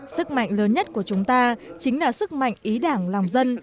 sức mạnh lớn nhất của chúng ta chính là sức mạnh ý đảng lòng dân